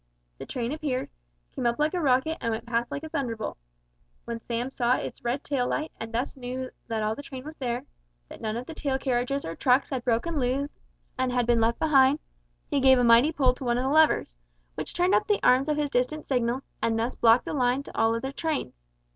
The train appeared, came up like a rocket and went past like a thunderbolt. When Sam saw its red tail light, and thus knew that all the train was there, that none of the tail carriages or trucks had broken loose and been left behind, he gave a mighty pull to one of the levers, which turned up the arms of his distant signal, and thus blocked the line to all other trains.